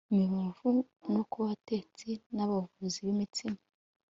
imibavu no kuba abatetsi n abavuzi b imitsima